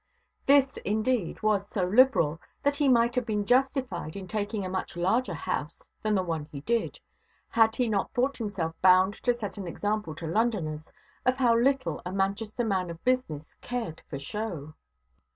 This, indeed, was so liberal that he might have been justified in taking a much larger house than the one he did, had he not thought himself bound to set an example to Londoners of how little a Manchester man of business cared for show.